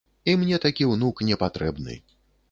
І мне такі ўнук не патрэбны.